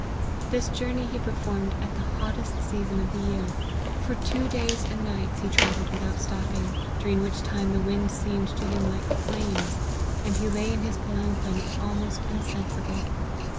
This journey he performed at the hottest season of the year ; for two days and nights he travelled without stopping, during which time the wind seemed to him like flames, and he lay in his pa lanquin almost insensible.